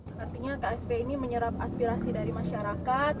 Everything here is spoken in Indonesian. artinya ksp ini menyerap aspirasi dari masyarakat